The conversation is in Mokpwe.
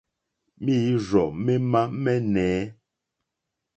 Mǐrzɔ̀ mémá mɛ́nɛ̌.